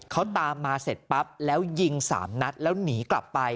เขาตามมาเสร็จปั๊บแล้วยิง๓นัดแล้วหนีกลับไป